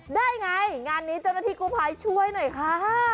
ได้ไงงานนี้เจ้าหน้าที่กู้ภัยช่วยหน่อยค่ะ